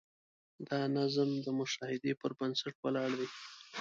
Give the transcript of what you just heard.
دا نظم د مشاهدې پر بنسټ ولاړ دی.